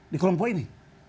di kelompok ini